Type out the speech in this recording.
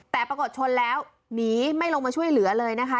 แต่ปรากฏชนแล้วหนีไม่ลงมาช่วยเหลือเลยนะคะ